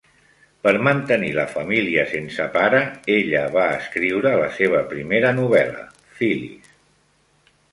Per mantenir la família sense pare, ella va escriure la seva primera novel·la, "Phyllis".